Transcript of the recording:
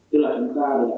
hay là milan của ý hay là